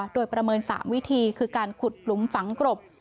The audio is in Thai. โดยประเมิน๓วิธีคือการขุดหลุมฝังกรบ